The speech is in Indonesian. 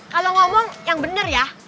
kalau ngomong yang benar ya